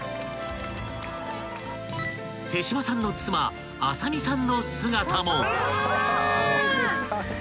［手島さんの妻麻美さんの姿も］